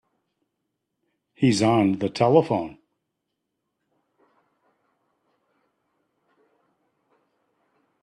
He's on the telephone.